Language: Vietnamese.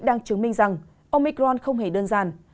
đang chứng minh rằng omicron không hề đơn giản